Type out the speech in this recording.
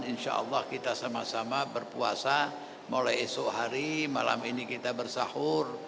insya allah kita sama sama berpuasa mulai esok hari malam ini kita bersahur